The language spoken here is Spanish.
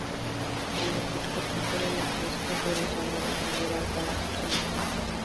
Cuando Pit recupere los "Tres tesoros sagrados", volverá al "Palacio celestial".